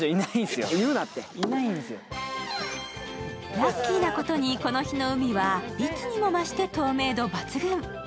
ラッキーなことにこの日の海はいつにも増して透明度抜群。